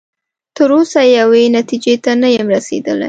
تر اوسه یوې نتیجې ته نه یم رسیدلی.